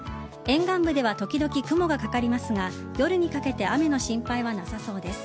沿岸部では時々雲がかかりますが夜にかけて雨の心配はなさそうです。